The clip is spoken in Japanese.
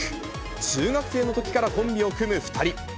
中学生のときからコンビを組む２人。